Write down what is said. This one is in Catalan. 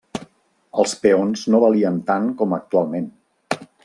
Els peons no valien tant com actualment.